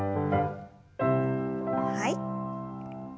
はい。